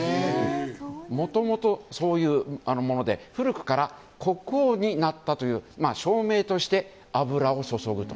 もともとそういうもので古くから国王になったという証明として油を注ぐと。